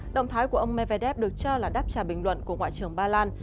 động thái của ông medvedev được cho là đáp trả bình luận của ngoại trưởng ba lan